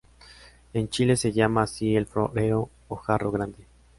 En Chile se llama así al florero o jarro grande.